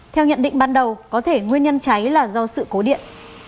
theo nhận định ban đầu có thể nguyên nhân cháy là do sự cố điện